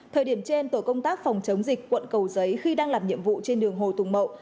thời điểm trên tổ công tác phòng chống dịch quận cầu giấy khi đang làm nhiệm vụ trên đường hồ tùng mậu